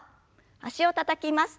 脚をたたきます。